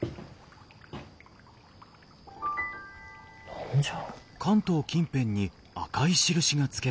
何じゃ？